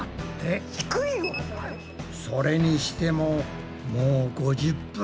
それにしてももう５０分。